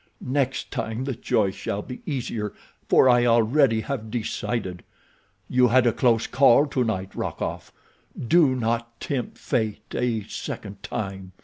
Next time the choice shall be easier, for I already have decided. You had a close call tonight, Rokoff; do not tempt fate a second time."